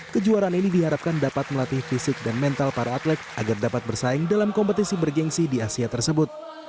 kejuaraan ini diharapkan dapat melatih fisik dan mental para atlet agar dapat bersaing dalam kompetisi bergensi di asia tersebut